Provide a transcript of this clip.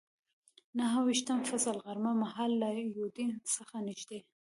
نهه ویشتم فصل، غرمه مهال له یوډین څخه نږدې.